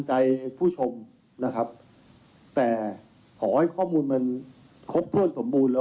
ใจผู้ชมนะครับแต่ขอให้ข้อมูลมันครบถ้วนสมบูรณ์แล้ว